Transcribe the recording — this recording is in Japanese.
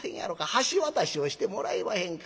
橋渡しをしてもらえまへんか』